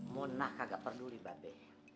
mona nggak peduli pak de